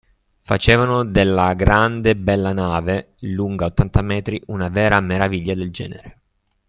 facevano della grande e bella nave, lunga ottanta metri, una vera meraviglia del genere.